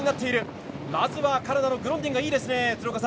まずはカナダのグロンディンがいいですね。